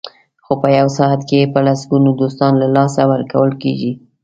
خو په یو ساعت کې په لسګونو دوستان له لاسه ورکول کېږي.